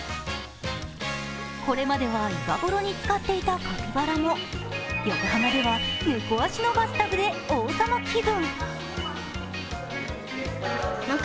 これまでは岩風呂につかっていたカピバラも横浜では猫足のバスタブで王様気分。